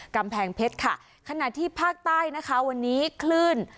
กำแพงเพชรค่ะขณะที่ภาคใต้นะคะวันนี้คลื่น